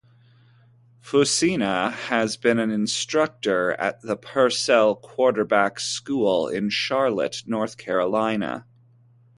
Fusina has been an instructor at the Purcell Quarterback School in Charlotte, North Carolina.